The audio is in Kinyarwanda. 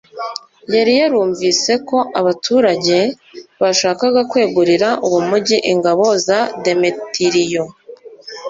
yari yarumvise ko abaturage bashakaga kwegurira uwo mugi ingabo za demetiriyo